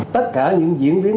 tất cả những diễn viên